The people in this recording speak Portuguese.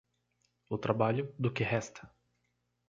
O trabalho, do que resta.